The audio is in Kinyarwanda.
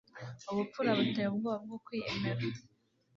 Ubupfura buteye ubwoba bwo kwiyemera